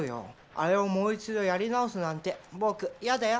あれをもう一度やり直すなんて僕やだよ。